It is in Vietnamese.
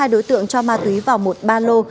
hai đối tượng cho ma túy vào một ba lô